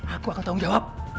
aku akan tanggung jawab